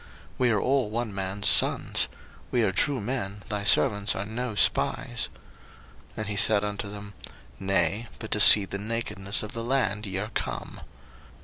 01:042:011 We are all one man's sons; we are true men, thy servants are no spies. 01:042:012 And he said unto them, Nay, but to see the nakedness of the land ye are come.